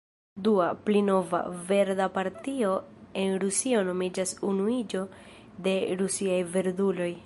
Dua, pli nova, verda partio en Rusio nomiĝas Unuiĝo de Rusiaj Verduloj.